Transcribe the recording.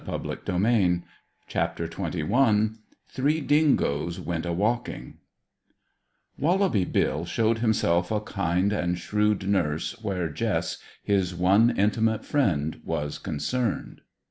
CHAPTER XXI THREE DINGOES WENT A WALKING Wallaby Bill showed himself a kind and shrewd nurse where Jess, his one intimate friend, was concerned.